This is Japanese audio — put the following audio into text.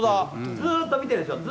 ずっと見てるんですよ。